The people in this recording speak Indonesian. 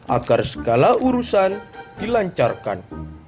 agar segala urusan dilancarkan